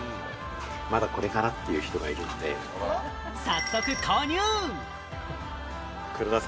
早速、購入。